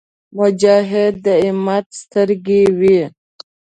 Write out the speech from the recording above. مجاهد د امت سترګې وي.